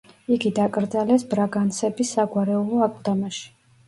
იგი დაკრძალეს ბრაგანსების საგვარეულო აკლდამაში.